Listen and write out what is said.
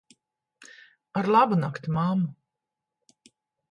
Ar labu nakti, mammu.